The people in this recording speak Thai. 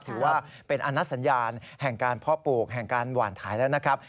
ถือว่าเป็นอนัดสัญญาณแห่งการเพาะปลูกแห่งการหวานถ่ายแล้วนะครับ